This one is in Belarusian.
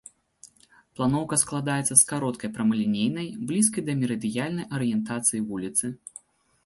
Планоўка складаецца з кароткай прамалінейнай, блізкай да мерыдыянальнай арыентацыі вуліцы.